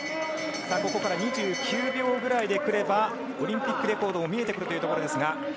ここから２９秒くらいで来れば、オリンピックレコードも見えてくるというところですが。